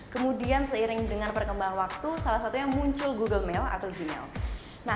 kemudian seiring dengan perkembangan waktu salah satunya muncul google mail atau gmail